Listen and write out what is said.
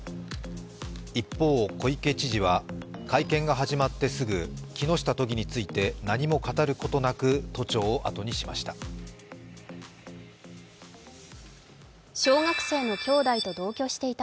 一方、小池知事は、会見が始まってすぐ、木下都議について何も語ることなく都庁を後にしました。